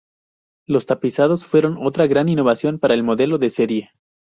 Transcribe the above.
Los tapizados fueron otra gran innovación para el modelo de serie.